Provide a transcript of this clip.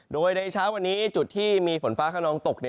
โดยในเช้าวันนี้จุดที่มีฝนฟ้าขนองตก